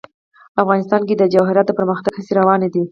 افغانستان کې د جواهرات د پرمختګ هڅې روانې دي.